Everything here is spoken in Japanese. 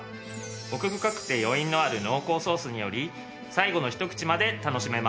奥深くて余韻のある濃厚ソースにより最後のひと口まで楽しめます。